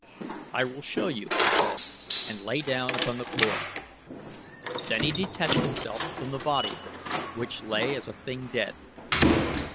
"I will show you," he said, and lay down upon the floor. Then he detached himself from the body, which lay as a thing dead.